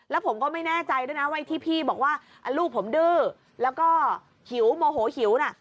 แล้วผมก็ไม่แน่ใจด้วยนะว่าที่พี่บอกว่าลูกผมดื้อแล้วก็หิวโมโหหิวน่ะ